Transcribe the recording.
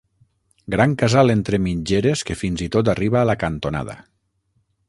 Gran casal entre mitgeres que fins i tot arriba a la cantonada.